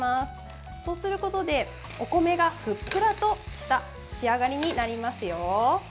そうすることでお米がふっくらとした仕上がりになりますよ。